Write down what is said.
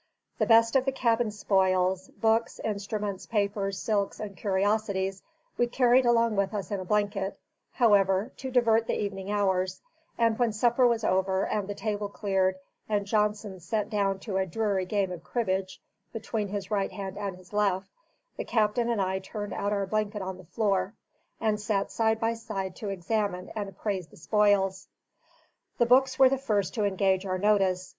The best of the cabin spoils books, instruments, papers, silks, and curiosities we carried along with us in a blanket, however, to divert the evening hours; and when supper was over, and the table cleared, and Johnson set down to a dreary game of cribbage between his right hand and his left, the captain and I turned out our blanket on the floor, and sat side by side to examine and appraise the spoils. The books were the first to engage our notice.